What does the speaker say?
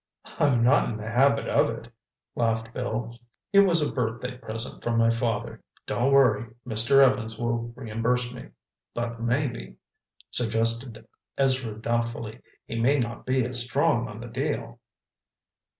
"I'm not in the habit of it," laughed Bill. "It was a birthday present from my father. Don't worry, Mr. Evans will reimburse me." "But maybe," suggested Ezra doubtfully, "he may not be strong on the deal."